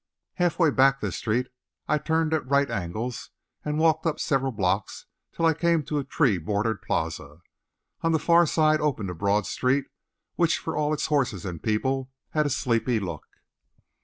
Half way back this street I turned at right angles and walked up several blocks till I came to a tree bordered plaza. On the far side opened a broad street which for all its horses and people had a sleepy look.